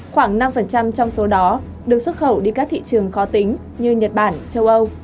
khoảng năm trong số đó được xuất khẩu đi các thị trường khó tính như nhật bản châu âu